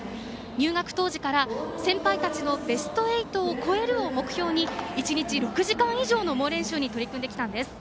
入学当時から先輩たちのベスト８を超えるを目標に１日６時間以上の猛練習に取り組んできたんです。